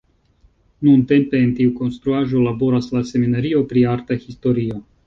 Nuntempe en tiu konstruaĵo laboras la seminario pri arta historio.